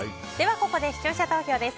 ここで視聴者投票です。